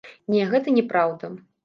Не, гэта не праўда.